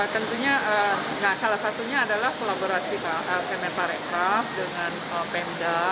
tentunya salah satunya adalah kolaborasi pm pareka dengan pemda